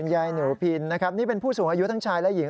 ยายหนูพินนะครับนี่เป็นผู้สูงอายุทั้งชายและหญิง